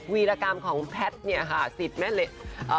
วีรกรรมของแพทย์เนี่ยค่ะศิษย์แม่อ่า